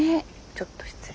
ちょっと失礼。